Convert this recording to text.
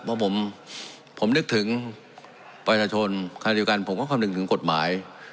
เพราะผมนึกถึงประชาชนคราวเดียวกันผมก็คำนึงถึงกฎหมาย